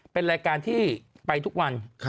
เป็นรายการที่ไปทุกวัน